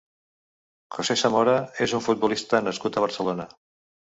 José Zamora és un futbolista nascut a Barcelona.